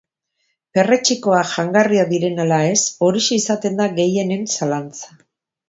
Perretxikoak jangarriak diren ala ez, horixe izaten da gehienen zalantza.